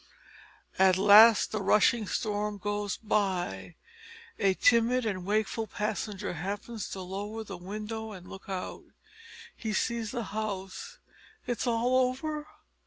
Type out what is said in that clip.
As the rushing storm goes by a timid and wakeful passenger happens to lower the window and look out. He sees the house. "It's all over?"